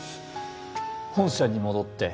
本社に戻って